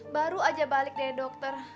baru aja balik deh dokter